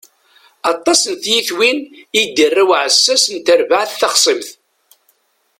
Aṭas n tyitwin i d-irra uɛessas n terbaɛt taxṣimt.